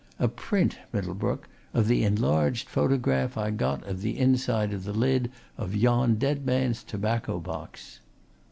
A print, Middlebrook, of the enlarged photograph I got of the inside of the lid of yon dead man's tobacco box!"